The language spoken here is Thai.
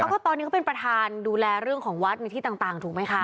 ก็ตอนนี้เขาเป็นประธานดูแลเรื่องของวัดในที่ต่างถูกไหมคะ